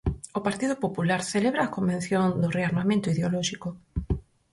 O Partido Popular celebra a convención do rearmamento ideolóxico.